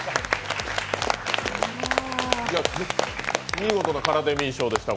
見事なカラデミー賞でした。